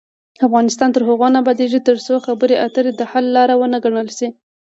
افغانستان تر هغو نه ابادیږي، ترڅو خبرې اترې د حل لار وګڼل شي.